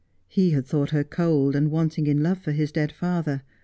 He had thought her cold and wanting in love for his dead father.